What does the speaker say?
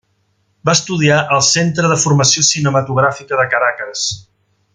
Va estudiar al Centre de Formació Cinematogràfica de Caracas.